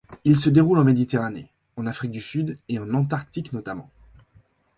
Il se déroule en Méditerranée, en Afrique du Sud, et en Antarctique notamment.